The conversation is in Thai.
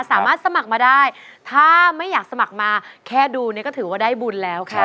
สามารถสมัครมาได้ถ้าไม่อยากสมัครมาแค่ดูเนี่ยก็ถือว่าได้บุญแล้วค่ะ